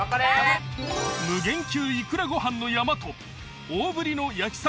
無限級イクラご飯の山と大ぶりの焼き鮭